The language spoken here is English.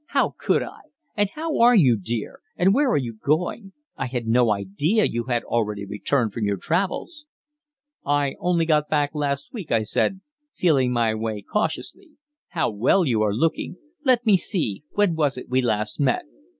"How could I? And how are you, dear? and where are you going? I had no idea you had already returned from your travels." "I got back only last week," I said, feeling my way cautiously. "How well you are looking. Let me see, when was it we last met?"